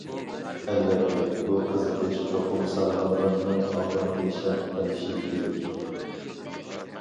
ئەلۋەتتە، بۇ قىزىقىش چوقۇم ساغلاملىقنى ئالدىنقى شەرت قىلىشى كېرەك.